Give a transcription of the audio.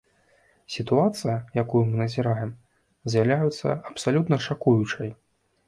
Сітуацыя, якую мы назіраем, з'яўляецца абсалютна шакуючай!